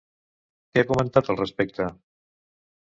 Què ha comentat al respecte?